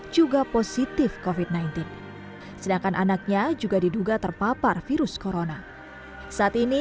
juga positif kofit sembilan belas sedangkan anaknya juga diduga terpapar virus corona saat ini